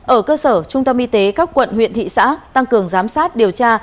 ở cơ sở trung tâm y tế các quận huyện thị xã tăng cường giám sát điều tra